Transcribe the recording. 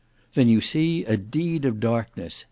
"Then you see a deed of darkness.